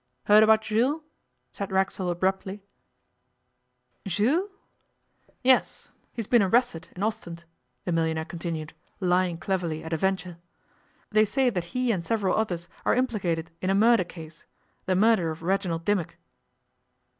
'Heard about Jules?' said Racksole abruptly. 'Jules?' 'Yes. He's been arrested in Ostend,' the millionaire continued, lying cleverly at a venture. 'They say that he and several others are implicated in a murder case the murder of Reginald Dimmock.